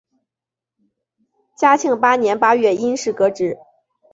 嘉庆八年八月因事革职。